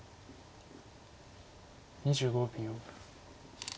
２５秒。